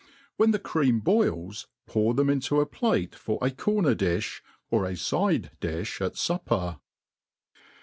When the cream boils, pour them into a plate for a corner difli^ or a fide>di(h at fupper.